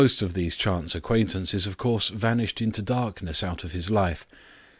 Most of these chance acquaintances, of course, vanished into darkness out of his life.